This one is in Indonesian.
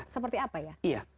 seperti apa ya